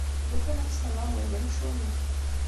Lukan ad tt-tennaleḍ, d amcum-ik.